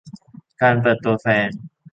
การเปิดตัวแฟน